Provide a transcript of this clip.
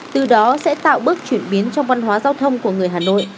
từ đó sẽ tạo bước chuyển biến trong văn hóa giao thông của người hà nội